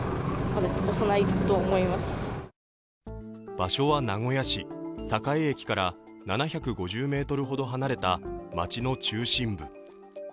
場所は名古屋市、栄駅から７５０ｍほど離れた街の中心部。